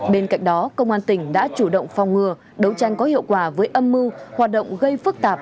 bên cạnh đó công an tỉnh đã chủ động phòng ngừa đấu tranh có hiệu quả với âm mưu hoạt động gây phức tạp